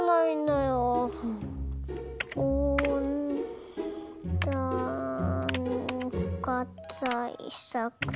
おんだんかたいさく。